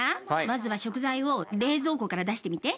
まずは食材を冷蔵庫から出してみて。